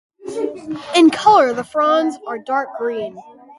In colour the fronds are dark green.